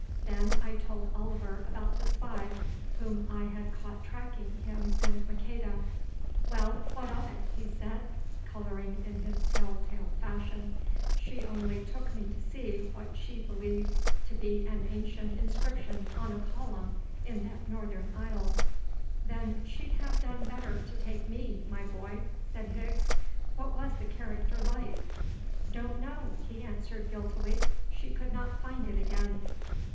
Then I told Oliver about the spy whom I had caught tracking him and Maqueda. "Well, what of it?" he said, colouring in his tell tale fashion; "she only took me to see what she believed to be an ancient inscription on a column in that northern aisle." "Then she'd have done better to take me, my boy," said Higgs. "What was the character like?" "Don't know," he answered guiltily. "She could not find it again."